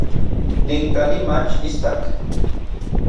Nin kali mach istak.